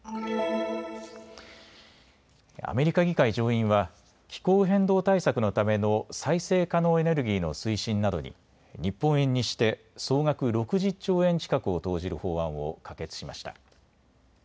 アメリカ議会上院は気候変動対策のための再生可能エネルギーの推進などに日本円にして総額６０兆円近くを投じる法案を可決しました。